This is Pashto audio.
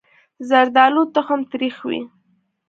زردالو تخم تریخ وي.